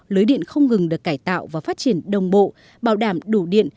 lưới điện không ngừng được cải tạo và phát triển đồng bộ bảo đảm đủ điện